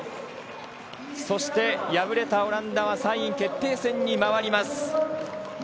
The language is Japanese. そして敗れたオランダは３位決定戦に回ります。